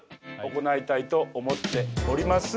行いたいと思っております。